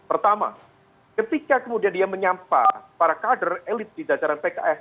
pertama ketika kemudian dia menyapa para kader elit di jajaran pks